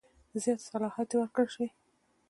زیات صلاحیت ورکړه شي.